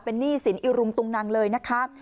หนี้สินอิรุงตุงนังเลยนะคะ